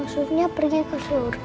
maksudnya pergi ke surga